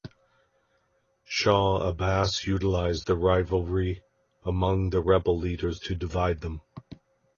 Shah Abbas utilised the rivalry among the rebel leaders to divide them.